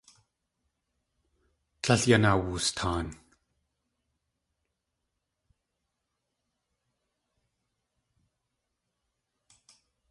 Tlél yan awustaan.